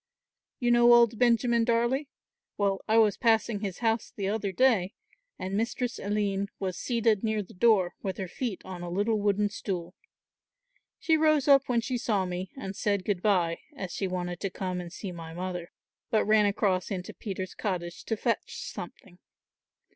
You know old Benjamin Darley? Well, I was passing his house the other day, and Mistress Aline was seated near the door with her feet on a little wooden stool. She rose up when she saw me and said good bye, as she wanted to come and see my mother; but ran across into Peter's cottage to fetch something.